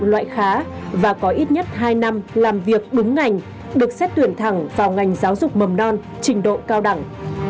loại khá và có ít nhất hai năm làm việc đúng ngành được xét tuyển thẳng vào ngành giáo dục mầm non trình độ cao đẳng